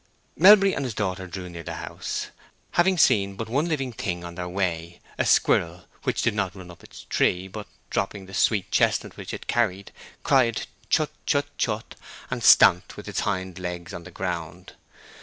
Melbury and his daughter drew near their house, having seen but one living thing on their way, a squirrel, which did not run up its tree, but, dropping the sweet chestnut which it carried, cried chut chut chut, and stamped with its hind legs on the ground.